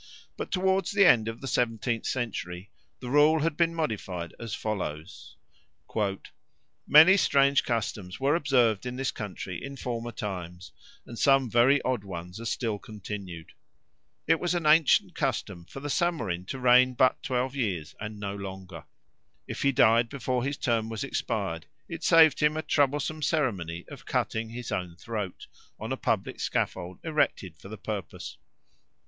But towards the end of the seventeenth century the rule had been modified as follows: "Many strange customs were observed in this country in former times, and some very odd ones are still continued. It was an ancient custom for the Samorin to reign but twelve years, and no longer. If he died before his term was expired, it saved him a troublesome ceremony of cutting his own throat, on a publick scaffold erected for the purpose.